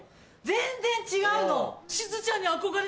全然違うの！